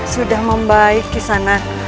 sudah membaik kisah anak